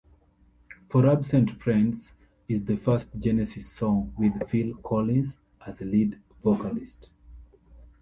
"For Absent Friends" is the first Genesis song with Phil Collins as lead vocalist.